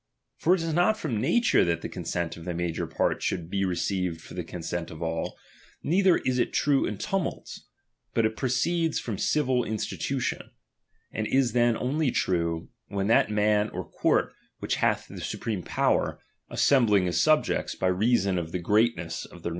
For it is not from nature that the consent of the major part should be received for the consent of all, neither is it true in tumults ; but it proceeds from civil in stitution : and is then only true, when that man or court which hath the supreme power, assembling his subjects, by reason of the greatness of their DOMINION.